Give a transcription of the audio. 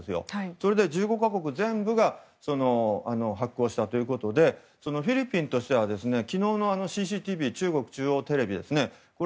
これで１５か国全部が発効したということでフィリピンとしては昨日のＣＣＴＶ中国中央テレビですね。